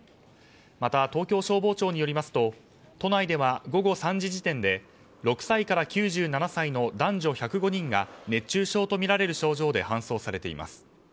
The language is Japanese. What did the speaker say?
また、東京消防庁によりますと都内では午後３時時点で６歳から９７歳の男女１０５人が熱中症とみられる症状で搬送されています。